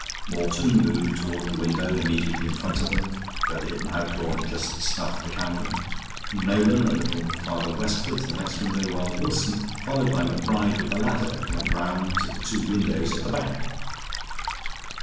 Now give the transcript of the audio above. Morton moved toward the window immediately in front of them, where the hidden outlaw had just snuffed the candle; Nolan, a little farther westward to the next window; while Wilson, followed by Macbride with the ladder, went round to the two windows at the back.